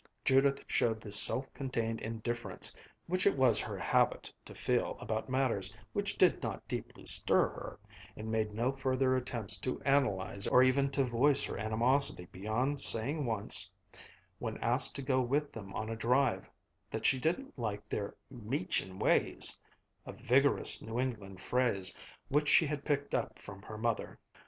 Judith showed the self contained indifference which it was her habit to feel about matters which did not deeply stir her, and made no further attempts to analyze or even to voice her animosity beyond saying once, when asked to go with them on a drive, that she didn't like their "meechin' ways," a vigorous New England phrase which she had picked up from her mother.